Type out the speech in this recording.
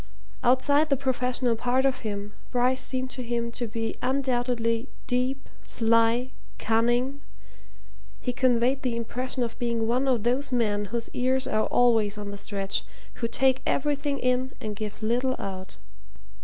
Outside the professional part of him, Bryce seemed to him to be undoubtedly deep, sly, cunning he conveyed the impression of being one of those men whose ears are always on the stretch, who take everything in and give little out.